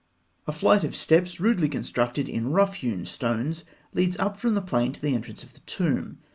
A flight of steps, rudely constructed in rough hewn stones, leads up from the plain to the entrance of the tomb.